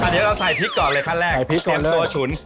เดี๋ยวเราใส่พริกก่อนเลยขั้นแรกเต็มตัวฉุน